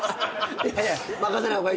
いやいや任せない方がいい。